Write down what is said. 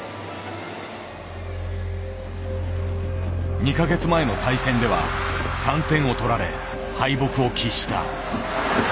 ２か月前の対戦では３点を取られ敗北を喫した。